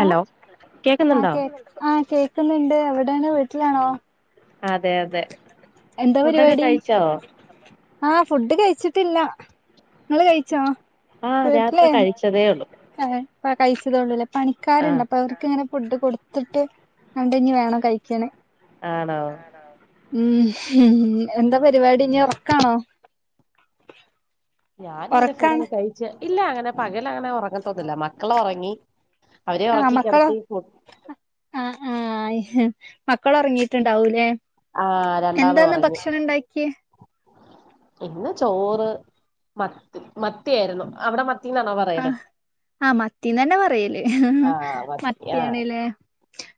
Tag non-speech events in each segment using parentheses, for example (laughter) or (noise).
ആ ആ കേക്കുന്നുണ്ടോ കേ ആഹ് കേക്കുന്നുണ്ട് എവിടെണ് വീട്ടിലാണോ അതെ അതെ എന്താ ഫുഡൊക്കെ പരിപാടി കഴിച്ചോ ആഹ് ഫുഡ് കഴിച്ചിട്ട് പത്തില്ല നിങ്ങള് കഴിച്ചോ ആഹ് വീട്ടിലേ ഞാൻപ്പ കഴിച്ചതേ ഉള്ളൂ അ കഴിച്ചതള്ളൂല്ലേ ആഹ് പണിക്കാരുണ്ട് അപ്പ അവർക്ക് ഇങ്ങനെ ഫുഡ് കൊടുത്തിട്ട് രണ്ടഞ് വേണം കഴിക്കണം ആണോ ഉം എന്താ പരിപാടി ഇനി ഒറക്കാണോ ഞാന് ഇവിടെ ഫുഡ് കഴിച്ച് ഇല്ല അങ്ങനെ പക അങ്ങനെ ഒറങ്ങതൊന്നില്ല മക്കളെ ഉറങ്ങി അവരെ ഒറക്കി കിടത്തി ആഹ് മക്കള ഒറങ്ങിട്ടുണ്ടാവൂലേ ആഹ് രണ്ടാളും എന്താന്ന ഉറങ്ങി ഭക്ഷണം ഉണ്ടാക്കിയ ഇന്ന് ചോറ് മത്തി മത്തിയായിരുന്നു അവിടെ മത്തി ആ ആന് മത്തിന്ന് തന്നെ പറയലേ ആഹ് മത്തി ആഹ് മത്തിയാണല്ലേ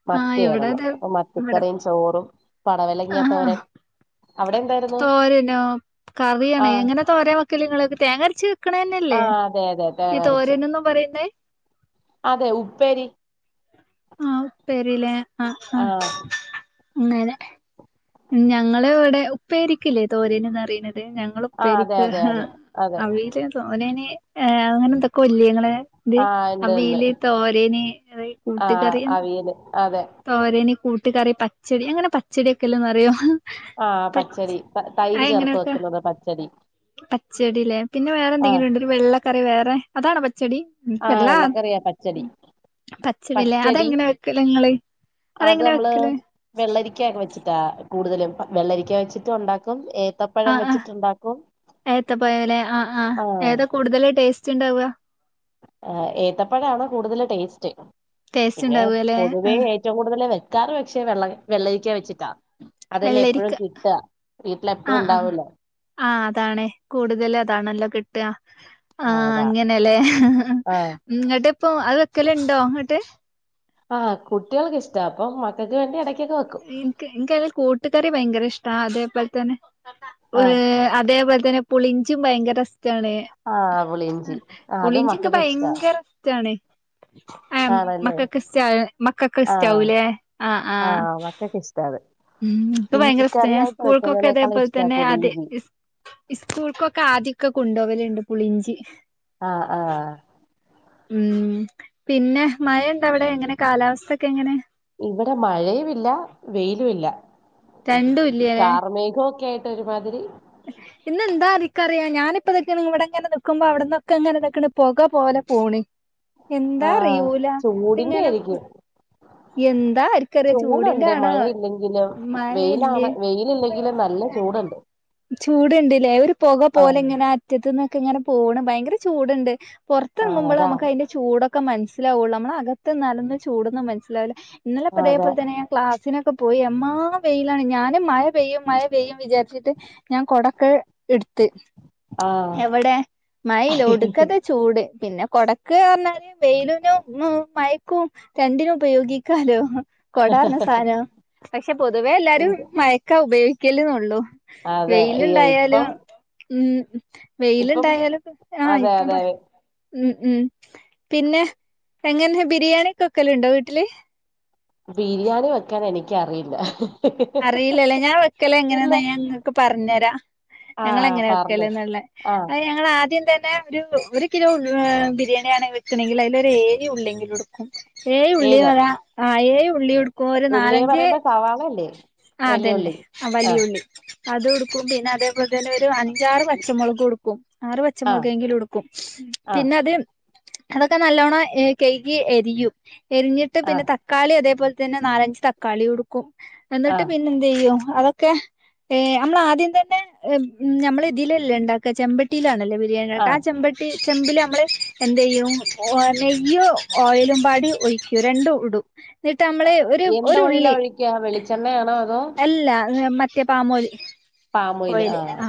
മത്തിയായിരുന്നു അപ്പൊ മത്തിക്കറിയും ചോറും പടവലങ്ങാ ആഹ് തോരൻ അവിടെ എന്തായിരുന്നു തോരനോ കറിയണ ആഹ് എങ്ങനെ തോരൻ വെക്കല് നിങ്ങളക്കെ തേങ്ങരച്ച് ക്കണ തന്നെയല്ലേ ആഹ് അതെ അതെ ഈ തേങ്ങ അരച്ച് തോരനൊന്നും പറയുന്നേ അതെ ഉപ്പേരി ലെആ ആ ആഹ് അങ്ങെനെ ഞങ്ങളെ ഇവിടെ ഉപ്പായിരിക്കില്ലേ തോരേനന്ന്റിയുന്നത് അതെ ഞങ്ങള് ആ അതെ ഉപ്പേരിക്ക് അതെ അതെ അതെ അവിയല് തോരന് അങ്ങനെ എന്തൊക്കെ ഇല്ലേ ങ്ങളെ ഇത് ആ ഇണ്ട് ഇണ്ട് അവീല് തോരന് ആ കൂട്ട്കറി അവിയല് അതെ തോരനി കൂട്ടുകറി പച്ചടി അങ്ങനെ പച്ചടൊക്കെല് അറിയോ ആ പച്ചടി തൈര് ചേർത്ത് വെക്കുന്നത് പച്ചടി പച്ചടിലേ പിന്നെ ആ വേറെന്തെങ്കിലുണ്ടോ ഒരു വെള്ളക്കറി വേറെ അതാണോ പച്ചടി നിക്ക് ആ വല്ല വെള്ളക്കറിയാ പച്ചടി പച്ചടിലേ പച്ചടി അതെങ്ങനെ വെക്കല് നിങ്ങള് അത് നമ്മള് വെള്ളരിക്ക വെച്ചിട്ടാ കൂടുതലും വെള്ളരിക്ക വെച്ചിട്ട് ഉണ്ടാക്കും ഏ ആ ആ ഏത്ത പയം ലേ ആ ആ ഏതാ കൂടുതൽ ടേസ്റ്റ് ണ്ടാവ ഏത്തപ്പഴാണ് കൂടുതൽ ടേസ്റ്റ് ടേസ്റ്റ് പിന്നെ ഉണ്ടാവുകല്ലേ പൊതുവേ ആഹ് ഏറ്റവും കൂടുതൽ വെക്കാറ് പക്ഷെ വെള്ളരി വെള്ളരിക്കാ വെച്ചിട്ടാ അതെല്ലാം വെള്ളരിക്ക എപ്പഴും കിട്ട വീട്ടില് എപ്പഴും ഉണ്ടാവല്ലോ ആ അതാണ് കൂടുതൽ അതാണല്ലോ കിട്ട ട്ടആ ആ അതാ അങ്ങനെലേ ആ ഇന്ന്ട്ട് ഇപ്പൊ അത് വെക്കല്ണ്ടോ ഇങ്ങട്ട് ആ കുട്ടികൾക്ക് ഇഷ്ട അപ്പൊ മക്കക്ക് വേണ്ടി എടക്ക് എനിക്ക് എനക്കയില് കൂട്ടുകറി ഭയങ്കര ഇഷ്ടാ അതേപോലെ തന്നെ ആഹ് അതേപോലെ തന്നെ പുളിഞ്ചീം ഭയങ്കര ഇതാണ് ആഹ് പുളിയിഞ്ചി ആഹ് അത് പുളിഞ്ചിക്ക് മക്കൾക്ക് ഇഷ്ടാ ഭയങ്കര ഇഷ്ടാണ് ആ ആണല്ലേ മക്കക്ക് ഇഷ്ടാവൂലേ മക്കക്ക് ആഹ് ഇഷ്ടാവൂലേ ആ ആ ആഹ് മക്കൾക്ക് ഇഷ്ടാ അത് ഉം ഇക്ക് ഭയങ്കര ഇഷ്ട ഞാൻ ഇഞ്ചിക്കറിയായിട്ട് സ്കൂൾക്കൊക്കെ വെക്കുന്നതിനേക്കാളും അതേപോലെ ഇഷ്ടാ തന്നെ അത് പുളിയിഞ്ചി സ്കൂൾക്കൊക്കെ ആദ്യൊക്കെ കൊണ്ടുവല്ണ്ട് പുളിഞ്ചി ആ ആ ഉം പിന്നെ മഴ എന്താ അവിടെ എങ്ങനെ കാലാവസ്ഥ ഒക്കെ എങ്ങനെ ല്ല വെയിലുല്ല രണ്ടും ഇല്ലേല്ലേ കാർമേഘം ഒക്കെ ആയിട്ട് ഒരുമാതിരി ഇന്നെന്താ ഇക്കറിയ ഞാനിപ്പ ഇവിടെ ഇങ്ങനെ നിക്കുമ്പോ അവിടെന്നൊക്കെ അങ്ങനെ പൊക പോലെ പോണ് ആ എന്താ അറിയൂല ചൂടിന്റെ ഇതിങ്ങനെ ആയിരിക്കും എന്താ ആർക്കറിയാ ചൂടിന്റെ ചൂടുണ്ട് ആണോ മഴയില്ലെങ്കിലും മഴയല്ലേ വെയിലാണ് വെയില് ഇല്ലെങ്കിലും നല്ല നല്ല ചൂടുണ്ട് ചൂടുണ്ടില്ലേ ഒരു പൊക പോലെ ആഹ് ഇങ്ങനെ അറ്റത്തു നിന്നൊക്കെ ഇങ്ങനെ പോണ് ഭയങ്കര ചൂടുണ്ട് ആഹ് പുറത്തെറുങ്ങുമ്പോളാ അതാ മ്മക്ക് അതിന്റെ ചൂടൊക്കെ മനസ്സിലാവുള്ളൂ നമ്മള് അകത്ത് നിന്നാല്ലൊന്നും ചൂടൊന്നും മനസ്സിലാവില്ല ഇന്നെലെ ആ, അതെ ഇപ്പതേപോല തന്നെ ഞാൻ ക്ലാസ്സ്‌ സിനൊക്കെ പോയി എമ്മാ വെയിലാണ് ഞാന് മഴ പെയ്യും മഴ പെയ്യും വിചാരിച്ചിട്ട് ഞാൻ കൊടക്ക എടുത്ത് എവിടെ മഴ ഇല്ല ആഹ് ഒടുക്കത ചൂട് പിന്നെ കൊടക്ക് പറഞ്ഞാല് വെയിലിനും മയക്കും രണ്ടിനും ഉപയോഗിക്കാലോ കൊടാറിഞ്ഞ സാധനം പക്ഷെ പൊതുവേ എല്ലാരും മയക്കാ ഉപയോഗിക്കലന്നള്ളു അതെ ഈ വെയിലുണ്ടായാലും ഇപ്പം ഉം ഇപ്പം വെയിലുണ്ടായാലും ആ അതെ ഇപ്പം അതെ ഉം ഉം പിന്നെ എങ്ങനെ ബിരിയാണി ഒക്ക വെക്കല് ഉണ്ടോ വീട്ടില് ബിരിയാണി വെക്കാൻ എനിക്കറിയില്ല അറിയില്ലല്ലേ ഞാൻ വെക്കല് ഇല്ല എങ്ങനെന്ന് ഞാൻ നിങ്ങക്ക് പറഞ്ഞഞ് തരാം ഞങ്ങള് ആഹ് എങ്ങനെ പറഞ്ഞോ വെക്കല്ന്ന്ള്ള ആഹ് ഞങ്ങള് ആദ്യംതന്നെ പിന്നെ ഒരു ഒരു കിലോ ബിരിയാണിണെങ്കിൽ വെക്കണെങ്കിൽ അതിൽ ഏയ്‌ ഉള്ളെങ്കിലും എടുക്കും ഏയ് ഉള്ളി ഏത് ആ ഏയ് ഉള്ളിയെടുക്കും ഒരു ഉള്ളിന്ന് നാലഞ്ച് പറയുമ്പോ സവാളല്ലേ വലിയ ആതന്നെ ഉള്ളി ആ ആഹ് വലിയുള്ളി അത്ടുക്കും പിന്നെ അതേപോലെ തന്നെ ഒരു അഞ്ചാറ് പച്ചമുളകുംടുക്കും ആറ് ആഹ് പച്ചമുളകെങ്കിലും ഉടുക്കും ആഹ് പിന്നെ അത് അതൊക്കെ നല്ലോണ്ണം കെയ്കി എരിയും എരിഞ്ഞിട്ട് പിന്നെ ആഹ് തക്കാളി അതേപോലെ തന്നെ നാലഞ്ച് തക്കാളി എടുക്കും എന്നിട്ട് ആഹ് പിന്നെ എന്തെയ്യും അതൊക്കെ ഹ ഏ നമ്മൾ ആദ്യം തന്നെ നമ്മള ഇതിലല്ലേ ഉണ്ടാക്കാ ചെമ്പട്ടിയിലല്ലേ ബിരിയാണ ട്ടാ ആ ആഹ് ചെമ്പട്ടി ചെമ്പില് നമ്മള് എന്ത് ചെയ്യും ഒ നെയ്യ് ഓയിലും പാടി ഒഴിക്കൂ രണ്ടും ഇടും എന്നിട്ട് അമ്ള് ഒരു ഒരു ഉള്ളി ച്ചെണ്ണ ആണോ അല്ല മറ്റേ പാമൂലി പാമോയില് കോഴല ആഹ് ആ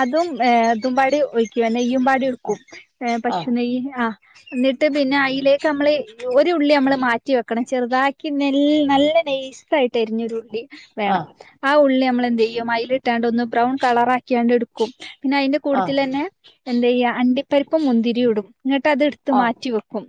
അതും ഏ് അതും പാടി ഒഴിക്ക നെയ്യും പാടി എടുക്കുംഏ ആഹ് പശു നെയ്യ് ആ. എന്നിട്ട് പിന്നെ അയിലേക്ക് നമ്മള് ഒരു ഉള്ളി നമ്മള് മാറ്റി വെക്കണം ചെറുതാക്കി നെ നല്ല നൈസയിട്ട് അരിഞ്ഞരുള്ളി വേണം ആഹ് ആ ഉള്ളി നമ്മൾ എന്ത് ചെയ്യും അതിലിട്ടാണ്ട് ഒന്ന് ബ്രൗൺ കളറ ആക്കിയാണ്ട് എടുക്കും. പിന്നെ അയിന്റെ ആഹ് കൂട്ടത്തിലന്നെ എന്ത ചെയ്യ അണ്ടിപ്പരിപ്പ് മുന്തിരി ഇടും ങ്ങിട്ട് അത് എടുത്ത് ആഹ് മാറ്റി വെക്കും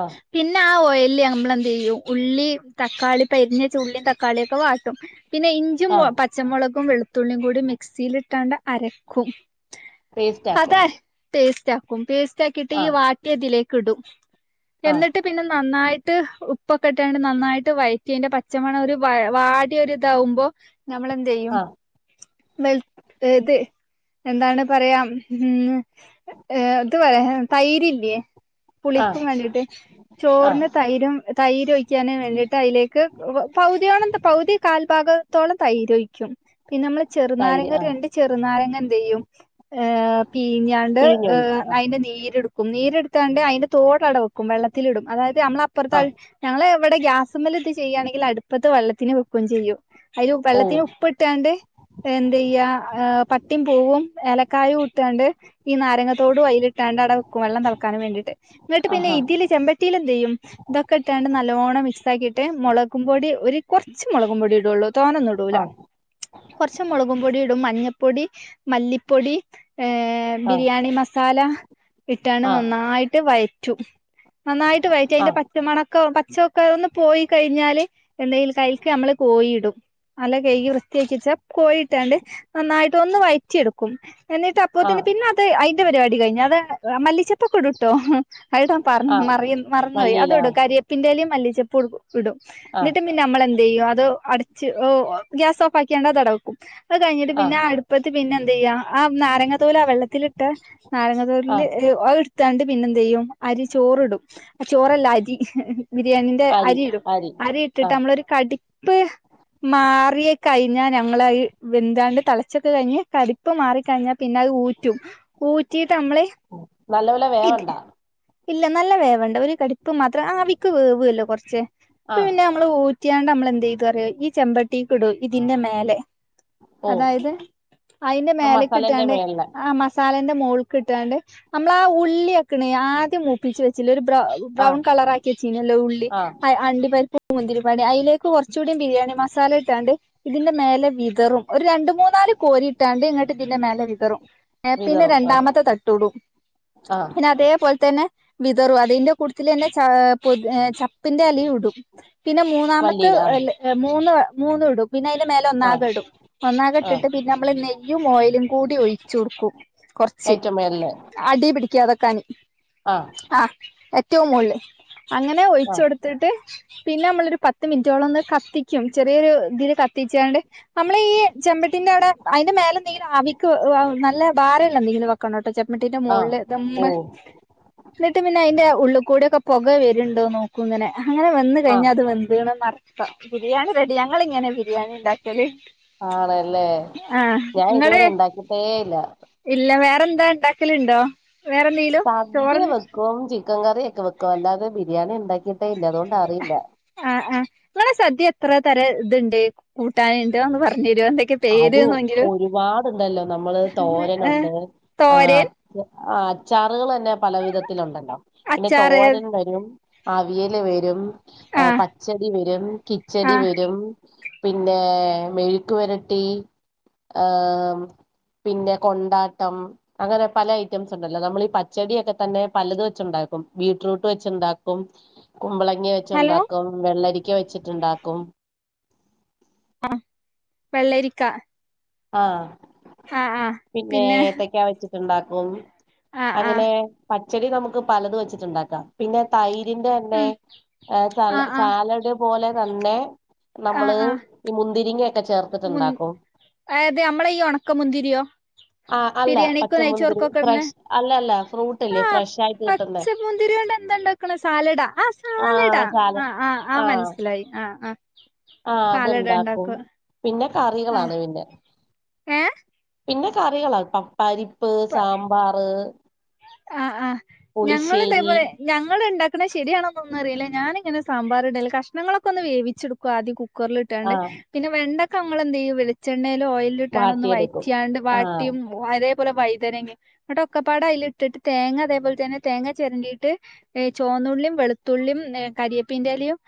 ആഹ് പിന്നെ ആ ഒ വല്ല്യ നമ്മളെന്ത് യ്യും ഉള്ളി തക്കാളി പെരിഞ്ഞെച്ച ഉള്ളിയും തക്കാളിയ ഒക്കെ വാട്ടും പിന്നെ ഇഞ്ചും ആഹ് പച്ചമുളകും വെളുത്തുള്ളിയും കൂടി മിക്സിലിട്ടാണ്ട് അരക്കും പേസ്റ്റ് ആക്കും അതെ പേസ്റ്റ് ആക്കും പേസ്റ്റ് ആക്കിട്ട് ഈ ആഹ് വാട്ടിയതിലേക്ക് ഇടും ആഹ് എന്നിട്ട് പിന്നെ നന്നായി ഇട്ട് ഉപ്പൊക്കെ ഇട്ടണ്ട് നന്നായിട്ട് വഴറ്റി അതിന്റെ പച്ചമണ ഒരു വ വാടിതരാകുബോ - നമ്മളെന്ത്യ്യും ആഹ് അതെ എന്താണ് പറയാം ഉം ഏഹ് ഇത് പറയാ തൈര്ല്ല്യെ ആഹ് പുളിക്കും വേണ്ടീട്ട് ആഹ് ചോറിന് തൈരും തൈരൊഴിക്കു വേണ്ടിട്ട് അതിലേക്ക് പൗതിയോളം പൗതി കാൽഭാഗത്തോളം തൈരൊഴിച്ചും പിന്നെ നമ്മള് തൈര് ചെറുനാരങ്ങ ആഹ് രണ്ട് ചെറുനാരങ്ങ എന്തയ്യും ഏഹ് പീഞ്ഞാണ്ട് പിഴിഞ്ഞൊഴിക്കും ആഹ് അതിന്റെ നീരെടുക്കും നീരെടുത്താണ്ട് അയിന്റെ തോട് അട വെക്കും വെള്ളത്തിലിടും അതായത് നമ്മള് അപ്പുറത്തെ ആഹ് ഞങ്ങള് ഇവിടെ ഗ്യാസ്മ്മൽ ഇത് ചെയ്യാണെങ്കിൽ അടുപ്പത്ത് വെള്ളത്തിന് വെക്കു ചെയ്യും അയില് ഓ വെള്ളത്തിന് ഉപ്പിട്ടാണ്ട് എന്തയ്യ ഏഹ് പട്ടിം പൂവും ഏലക്കായും ഇട്ടാണ്ട് ഈ നാരങ്ങത്തോടും അയിലിട്ടാണ്ട് വള്ളം തളക്കാവേണ്ടീട്ട് എന്നിട്ട് പിന്നെ ആഹാ ഇതിൽ ചെമ്പട്ടിയിലൽ എന്തെയ്യും ഇതൊക്കെ ഇട്ടാണ്ട് നല്ലോണം മിക് ട്ട് മുളകും പൊടി ഒരു കുറച്ച് മുളകുപൊടി ഇടള്ളൂ തോനൊന്നും ഇടൂല ആഹ് മുളകുപൊടിടും മഞ്ഞപ്പൊടി മല്ലിപ്പൊടി ഏഹ് ആഹ് ബിരിയാണി മസാല- ഇട്ടാണ്ട് ആ നന്നായിട്ട് വഴറ്റും നന്നായിട്ട് വയറ്റു ആ അതിന്റെ പച്ചമണക്ക ചൊക്ക അതൊന്ന് പോയി കഴിഞ്ഞാല് എന്തെങ്കും കൈക്ക് നമ്മള് കോയിടും നല്ല കൈകി വൃത്തിയാച്ചിട്ട് കോയിട്ടാണ്ട് നന്നായിട്ട് ഒന്ന് വഴറ്റിയെടുക്കും എന്നിട്ട് അപ്പോ ആ തന്നെ പിന്നെ അത് അയി ൻ്റെ പരിപാടി കയിഞ്ഞു അത് മല്ലിച്ചപ്പൊക്കെടൂട്ടോ ആയിടാ പറ ആ മറ മറന്ന് പോയി അത് മല്ലിയില ഇടും കരിയപ്പിന്റെലും മല്ലിച്ചപ്പ് ഇടും ആ എന്നിട്ട് പിന്നെ നമ്മളെന്ത്യ്യും അത് അടച്ച് ഓ ഗ്യാസ് ഓഫാക്ക്യണ്ട് അത് അടക്കും അത് കഴിഞ്ഞിട്ട് ആ പിന്നെ അടുപ്പത്തി പിന്നെ എന്തയ്യാ ആ നാരങ്ങ തോല് ആ വെള്ളത്തിലിട്ട നാരങ്ങ ആ തോല് എടുത്താണ്ട് പിന്നെ എന്തയ്യും അരി ചോ ചോറ്ടും ആ ചോറല്ല അരി ബിരിയാണിന്റെ അരി ഇടും അരി ആ ഇട്ടിട്ട് നമ്മളരു കടി (inaudible) മാറിയെ കഴിഞ്ഞാ വെന്താണ്ട് തളാച്ചൊക്കെ കഴഞ് കരിപ്പ് മാറിക്കഴിഞ്ഞ പിന്നെത്ഊ റ്റും ഊറ്റിട്ട് അമ്മള് നല്ലപോലെ ഇത് വേവണ്ട ഇല്ല നല്ല വേവണ്ട ഒരു കടുപ്പ് മാത്രം ആ വിക്ക് വേവല്ലോ കുറച്ച് ആ അപ്പ പിന്നെ നമ്മള് ഊ റ്റിയാണ്ട് നമ്മളന്ത് ചെയത്റിയോ ഈ ചെമ്പട്ടീക്ക്ടൂ ഇതിന്റെ മേലെ ഓ അതായത് അയിന്റെ ആ മേലക്ക് മസാലേൻ്റെ ഇട്ടാണ്ട് മേളിൽ ആ മസാല മോൾക്കിട്ടാണ്ട് നമ്മള ആ ഉള്ളിക്ക ആദ്യംമൂപ്പിച് വെചില്ലേ ഒരു ബ്രൊ ആ ബ്രൗൺ കളറാക്കി വചിനല്ലോ ഉള്ളി ആ അണ്ടിപരി മുന്തിരിപ്പാടി അയിലേക്ക് കുറച്ചുകൂടി ബിരിയാണി മസാലട്ടാണ്ട് ഇതിന്റെ മേലെ വിതറും ഒരു രണ്ടു മൂന്നാല് കോരി ഇട്ടാണ്ട് ഇങ്ങോട്ട് ഇതിൻ്റെ മേലെ വിതറും ഏഹ് പിന്നെ വിതറും ആ രണ്ടാമത്തെ തട്ടൂടും ആ പിന്നെ അതേപോലതന്നെ വിതറു അതിന്റെ കൂട്ടത്തിൽ തെന്നെ പൊതീന ചപ്പ് (unintelligible) പിന്റെ അലി ഇടും പിന്നെ മൂന്നാമത്ത് മല്ലിയില ആ മൂന്ന് മൂന്ന് ഇടും പിന്നെ അതിന്റെ മേലെ ഒന്നാ ആ ടും ആ നന്നകട്ടിട്ട് പിന്നെ നമ്മള് നെയ്യും ഓയിലും കൂടി ഒഴിച്ചുകൊടുക്കും കൊറച്ച് ഏറ്റവും മേളിൽ അടി പിടിക്കാതെ നിക്കാന് ആ ഏറ്റവും മോള്ളില് അങ്ങനെ ആ ഒഴിച്ച കൊടുത്തിട്ട് പിന്നെ നമ്മളൊരു പത്ത് മിനിറ്റോളം ഒന്ന് കത്തിക്കും ചെറിയൊരു ഇതില് കത്തിച്ചണ്ട് നമ്മള ഈ ചെമ്പട്ടിന്റെ അവിടെ അതിന്റെ മേലെന്തെങ്കിലും ആവിക്ക് നല്ല ഭാരമല്ല എന്തെങ്കിലും വെക്കാനൊട്ടോ ചെമ്പട്ടിന്റെ ആ മുകളില് ദം ഓ എന്നിട്ട് പിന്നെ അതിന്റെ ഉള്ള് കൂടെയൊക്കെ പുകെ വരുന്നുണ്ടോ നോക്കും ഇങ്ങനെ അങ്ങനെ വന്ന് ആ കഴിഞ്ഞാൽ അത് വെന്ത് ആഹ് ബിരിയാണി റെഡി ഞങ്ങൾങ്ങനെ ബിരിയാണി ഉണ്ടാക്കിയല് ആണല്ലേ ഞാൻ ഇങ്ങള് ഇതുവരെ ഇണ്ടാക്കിയിട്ടേയില്ല (unintelligible) ന്താ ഉണ്ടാക്കലുണ്ടോ വേറെന്തെലും സദ്യ ചോറിന് വെക്കും ചിക്കൻ കറിയൊക്കെ വെക്കും അല്ലാതെ ബിരിയാണി ഉണ്ടാക്കിയിട്ടേ ഇല്ല അതുകൊണ്ട് അറിയില്ല ആഹ് ആഹ് നിങ്ങെ സദ്യ എത്ര തരം ഇത്ണ്ട് കൂട്ടാനുണ്ട് അതൊന്നും പറഞ്ഞു തരുമോ എന്തൊക്കെ അത് പേര്ന്നെങ്കിലും ഒരുപാടുണ്ടല്ലോ നമ്മള് ഏഹ് തോരനുണ്ട് ആഹ് തോരൻ അഹ് അച്ചാറുകൾ തന്നെ പല വിധത്തിലുണ്ടല്ലോ പിന്നെ അച്ചാറ് തോരൻ വരും അവിയാല് വരും ആഹ് പച്ചടി വരും കിച്ചടി ആഹ് വരും പിന്നെ മെഴുക്കിവരട്ടി ഹ പിന്നെ കൊണ്ടാട്ടം അങ്ങനെ പല ഐറ്റംസ് ഉണ്ടല്ലോ നമ്മൾ ഈ പച്ചടിയൊക്കെതന്നെ പലത് വെച്ചുണ്ടായി ബീട്രൂട്ട് വെച്ചണ്ടാക്കും കുമ്പളങ്ങി ഹലോ വെച്ചുണ്ടാക്കും വെള്ളരിക്ക വെച്ചിട്ടുണ്ടാക്കും ആഹ വെള്ളരിക്ക ആഹ ആഹ് ആഹ് പിന്നെ ഏത്തക്കാ വെചച്ച് ഇണ്ടാകും ആഹ് അങ്ങനെ ആഹ് പച്ചടി നമുക്ക് പലത് വെച്ചിട്ടുണ്ടാക്കാം പിന്നെ തൈ ഇതിന്റതന്നെ ഉം സ ആഹ് ആഹ് സാലഡ് പോലെ തന്നെ ആഹ് നമ്മള് ആഹ് ഈ മുന്തിരിങ്ങൊക്കെ ചേർത്തിട്ടുണ്ടാക്കും ആയത് നമ്മളെ ഈ ഉണക്ക മുന്തിരിയോ ആ അല്ല ബിരിയാണിക്കോ പച്ചമുന്തിരി നെയച്ചോർക്കോ ഇടുന്ന ഫ്രഷ് അല്ല അല്ല ഫ്രൂട്ട് ഇല്ലേ ആ ഫ്രഷ് ആയിട്ട് കിട്ടുന്നേ പച്ചമുന്തിരി എന്താണ്ടാക്കുന്നെ സാലഡ ആ സാലഡ ആ ആ ആ മനസ്സിലായി ആ ആ സാലഡ് അതുണ്ടാകും ഉണ്ടാക്കുക പിന്നെ ആ കറികളാണ് പിന്നെ ഏഹ് പിന്നെ കറികള പ പപ്പരിപ്പ് സാമ്പാർ ആ ആ ഞങ്ങൾ ഇതേപോലെ ഞങ്ങൾ ഇണ്ടാക്ക ശരിയാണെന്നൊന്ന അറിയില്ല ഞാനിങ്ങനെ ഇടയില്ല കാശ്നങ്ങൾ ഒകെ വേവിച്ചെടുക്കും ആദ്യം ആ കുക്കറിലിട്ടാണ്ട് പിന്നെ വെണ്ടൊക്കെ അങ്ങൾ എന്ത് ചെയ്യും വെളിച്ചെണ്ണ ഓയി ഇട്ടാണ്ട് ഒന്ന് വാട്ടിയെടുക്കും വയാട്ട്യാ ണ്ട് ആ വാട്ടിയും അതേപോലെ വൈതന എന്നിട്ട് ഒക്കെപ്പാട അയില് ഇട്ടിട്ട് തേങ്ങ അതേപല തന്നെ തേങ്ങ ചിരണ്ടിയിട്ട് ചോന്നുള്ളിയും വെളുത്തുള്ളിയും കരിയപ്പീന്റെ ലയും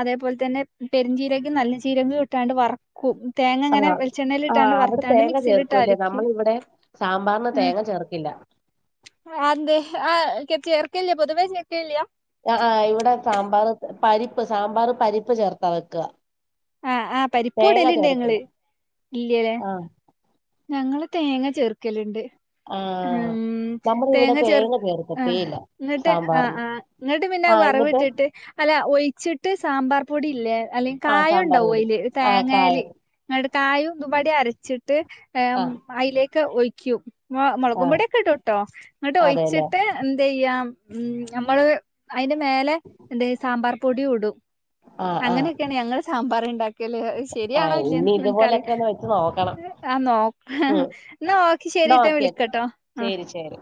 അതേപോലെ തന്നെ പേരിൻചീരകം നല്ല ചീരും ഇട്ടാണ്ട് വറക്കും തേങ്ങ ആഹ് അങ്ങനെ വെളിച്ചെണ്ണൽ ആഹ് ഇട്ടാണ്ട് അവിടെ വറുത്താണ്ട് തേങ്ങ ചേർക്കൂല്ലേ മിക്സിയിലിട്ടായിരിക്കും നമ്മളിവിടെ സാമ്പാറിന് ആ തേങ്ങ ചേർക്കില്ല അന്തെ ആഹ കത്തി എർക്കള്ളിയാ പൊതുവെ എക്കിയാ (unintelligible) ആ ഇവിടെ സാമ്പാർ പരിപ്പ് സാമ്പർ പരിപ്പ് ചേർത്താ വെക്കുക ആ ആ തേങ്ങ പരിപ്പുമിടല്ലിട്ട് ചേർക്കില്ല ഞങ്ങള് ഇല്ലല്ലേ ആഹ് ഞങ്ങള് തേങ്ങ ചെർക്കലുണ്ട് ഉ ആഹ് നമ്മുടെ ഇവിടെ തേങ്ങ ചേർത്ത് ആ ചേർക്കത്തേയില്ല എന്നിട്ട് ആ സാമ്പാറിന് ആ എന്നിട്ട് ആഹ് എന്നിട്ട് വറവിട്ടിട്ട് അല്ല ഒഴിച്ചിട്ട് സാമ്പാർപൊടിയില്ലേ അല്ലെങ്കിൽ ആഹ് കായം ണ്ടോ സാമ്പാർ പൊടി അല് ആഹ് തേങ്ങല് കായം നിടെ കായപടി (unintelligible) അരച്ചിട്ട് ആഹ് അതിലേക്ക് ഒക്കെ ഒയ്ക്കും ആഹ് മുളക്പൊടിയൊക്കെ ഇടും ട്ടോ എന്നിട്ട് അതെല്ലേ ഒഴിച്ചിട്ട് എന്ത ചെയ്യ ഉ നമ്മള് അ അതിന്റെ മേലെ സാമ്പാർ ആഹ് ആഹ് പൊടിയുമിടുംഅങ്ങനെയൊക്കെയാണ് ഞങ്ങൾ സാമ്പാർണ്ടാക്ക ല്ലേ ശരിയാണോ ആഹ് ഇല്ലേ ഇനി ഇതുപോലെയൊക്കെ ഒന്ന് വെച്ച് നോക്കണം എനിക്കാറില്ല നോ ഉം ഒകെ ശരി എന്നാ ശരിട്ടാ ഓക്കെ വിളിക്കാട്ടാ ആ ശരി ശരി